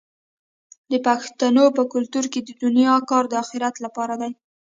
د پښتنو په کلتور کې د دنیا کار د اخرت لپاره دی.